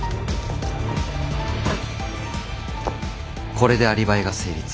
これでアリバイが成立。